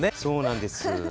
そうなんです。